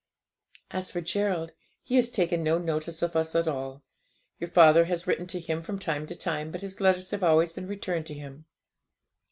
'As for Gerald, he has taken no notice of us at all. Your father has written to him from time to time, but his letters have always been returned to him.